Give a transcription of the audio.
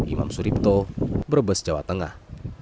imam suripto brebes jawa tengah